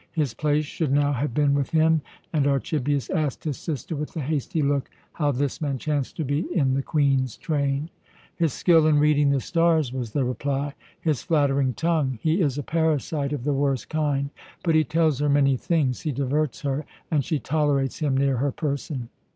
His place should now have been with him, and Archibius asked his sister with a hasty look how this man chanced to be in the Queen's train. "His skill in reading the stars," was the reply. "His flattering tongue. He is a parasite of the worst kind, but he tells her many things, he diverts her, and she tolerates him near her person."